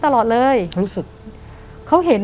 แต่ขอให้เรียนจบปริญญาตรีก่อน